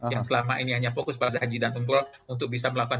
yang selama ini hanya fokus pada haji dan umroh untuk bisa melakukan